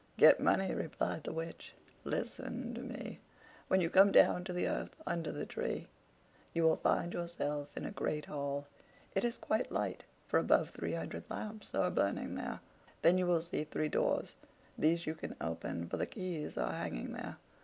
"Get money," replied the Witch. "Listen to me. When you come down to the earth under the tree, you will find yourself in a great hall: it is quite light, for above three hundred lamps are burning there. Then you will see three doors; these you can open, for the keys are hanging there.